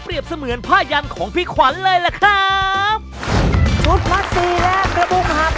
เปรียบเสมือนผ้ายันของพี่ขวัญเลยแหละครับ